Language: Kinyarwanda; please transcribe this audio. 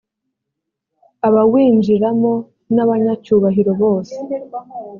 abawinjiramo nabanya cyubahiro bose.